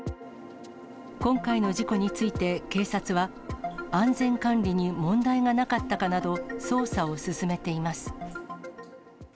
今回の事故について警察は、安全管理に問題がなかったかなど、捜査を進めています。